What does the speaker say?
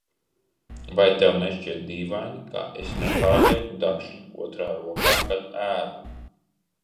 Vai tev nešķiet dīvaini, ka es nepārlieku dakšiņu otrā rokā, kad ēdu?